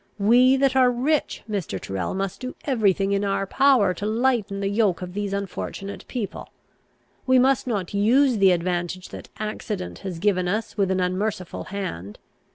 We that are rich, Mr. Tyrrel, must do every thing in our power to lighten the yoke of these unfortunate people. We must not use the advantage that accident has given us with an unmerciful hand.